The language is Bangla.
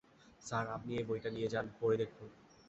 স্যার, আপনি এই বইটা নিয়ে যান, পড়ে দেখুন।